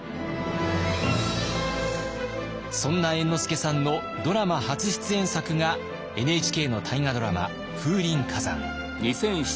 そんな猿之助さんのドラマ初出演作がＮＨＫの大河ドラマ「風林火山」。